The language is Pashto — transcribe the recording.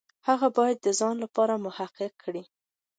هغه باید دا د ځان لپاره محقق کړي.